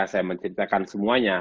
saya menceritakan semuanya